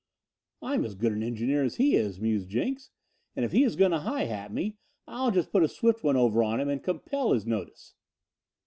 "I'm as good an engineer as he is," mused Jenks, "and if he is going to high hat me, I'll just put a swift one over on him and compel his notice."